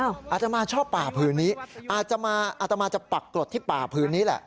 อาตมาชอบป่าพื้นนี้อาจจะมาอาตมาจะปักกรดที่ป่าพื้นนี้แหละ